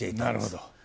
なるほど。